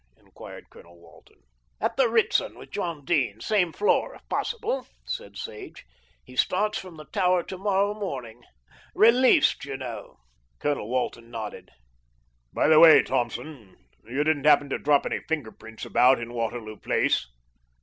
enquired Colonel Walton. "At the Ritzton with John Dene, same floor if possible," said Sage. "He starts from the Tower to morrow. Released, you know." Colonel Walton nodded. "By the way, Thompson, you didn't happen to drop any finger prints about in Waterloo Place?"